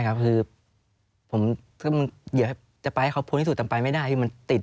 คือผมจะไปให้เขาพ้นที่สุดต่ำไปไม่ได้